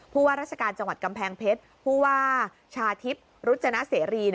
พูดว่าราชการจังหวัดกำแพงเพชรพูดว่าชาธิบรุจนาเสรี